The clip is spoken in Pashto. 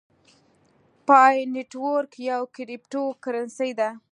پای نیټورک یوه کریپټو کرنسۍ ده